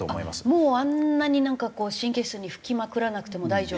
もうあんなになんかこう神経質に拭きまくらなくても大丈夫？